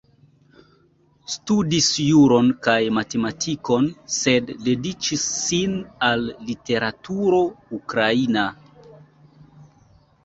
Studis juron kaj matematikon, sed dediĉis sin al literaturo ukraina.